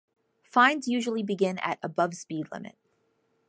Fines usually begin at above speed limit.